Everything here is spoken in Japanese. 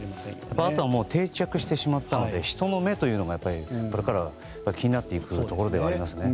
あとは定着してしまったので人の目というのがこれからは気になっていくところではありますね。